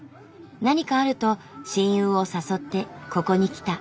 何かあると親友を誘ってここに来た。